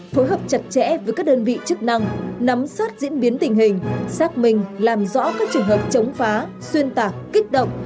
phối hợp chặt chẽ với các đơn vị chức năng nắm sát diễn biến tình hình xác minh làm rõ các trường hợp chống phá xuyên tạc kích động